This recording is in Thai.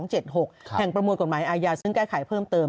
ประมวลกฎหมายอาญาซึ่งแก้ไขเพิ่มเติม